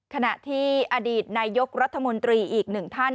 ขณะที่อดีตนายกรัฐมนตรีอีกหนึ่งท่าน